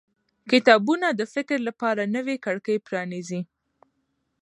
کتابونه د فکر لپاره نوې کړکۍ پرانیزي